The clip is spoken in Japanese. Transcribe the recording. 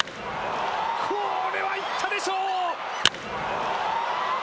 これはいったでしょう。